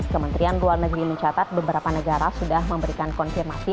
kementerian luar negeri mencatat beberapa negara sudah memberikan konfirmasi